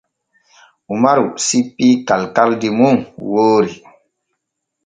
Umaru sippii kalkaldi mum woori.